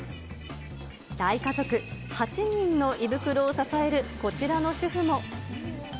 大家族８人の胃袋を支えるこちらの主婦も。